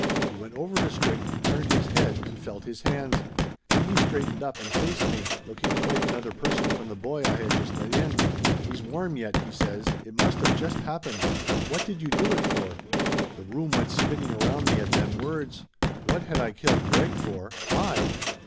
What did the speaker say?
He went over to Strick and turned his head and felt his hands. Then he straight ened up and faced me, looking quite another person from the boy I had just let in. "He's warm yet!" he says. "It must of just hap pened. What did you do it for?" The room went spinning around me at them words. What had I killed Greg for I!